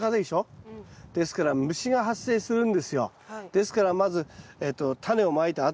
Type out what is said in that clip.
ですからまずタネをまいたあとはですね